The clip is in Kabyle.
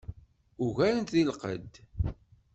Ugaren-t deg lqedd.